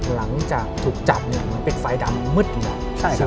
หลังจากถูกจับปิดไฟดำมืดหรือเปล่ากัน